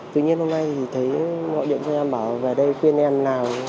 tự nhiên hôm nay thì thấy mọi điện doanh em bảo về đây khuyên em nào